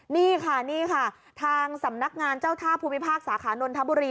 นี่ค่ะนี่ค่ะทางสำนักงานเจ้าท่าภูมิภาคสาขานนทบุรี